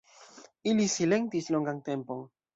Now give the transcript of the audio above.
Ili silentis longan tempon.